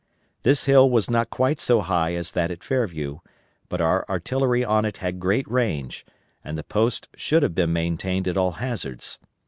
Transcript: This hill was not quite so high as that at Fairview, but our artillery on it had great range, and the post should have been maintained at all hazards.